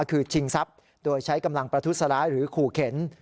คือชิงทรัพย์โดยใช้กำลังประทุษร้ายหรือขู่เข็น